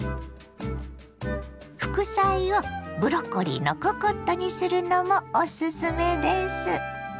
副菜をブロッコリーのココットにするのもおすすめです。